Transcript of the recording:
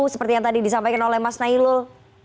seperti yang tadi disampaikan oleh mas nailul